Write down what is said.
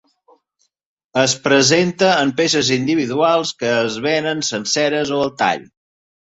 Es presenta en peces individuals, que es venen senceres o al tall.